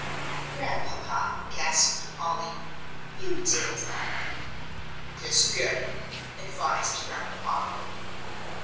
"Grandpapa," gasped Polly, "you did." "Guess again," advised Grandpapa.